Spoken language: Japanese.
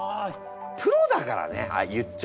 プロだからね言っちゃあね！